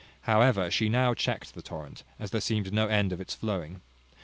However, she now checked the torrent, as there seemed no end of its flowing.